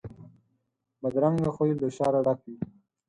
بدرنګه خوی له شره ډک وي